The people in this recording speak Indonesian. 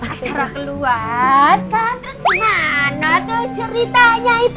acara keluarga terus gimana tuh ceritanya itu